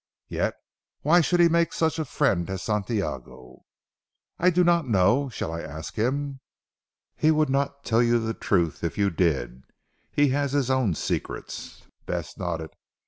"Yet why should he make such a friend of Santiago?" "I do not know. Shall I ask him?" "He would not tell you the truth if you did. He has his own secrets." Bess nodded.